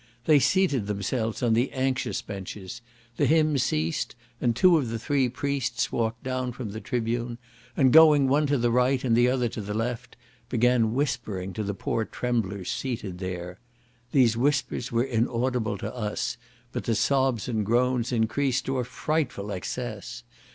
They seated themselves on the "anxious benches;" the hymn ceased, and two of the three priests walked down from the tribune, and going, one to the right, and the other to the left, began whispering to the poor tremblers seated there. These whispers were inaudible to us, but the sobs and groans increased to a frightful excess.